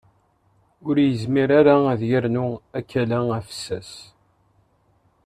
Ur yezmir ara ad yernu akala afessas.